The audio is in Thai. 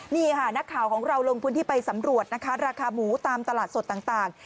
นี่ค่ะนักข่าวของเราลงพื้นที่ไปสำรวจนะคะราคาหมูตามตลาดสดต่าง